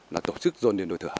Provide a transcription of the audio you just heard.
là tổ chức dồn điền nổi thửa